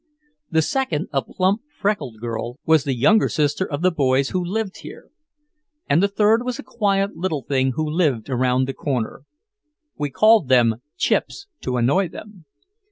The second, a plump freckled girl, was the younger sister of the boys who lived here. And the third was a quiet little thing who lived around the corner. We called them "Chips" to annoy them.